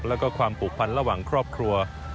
และความปลูกพันธ์ระหว่างครอบครัว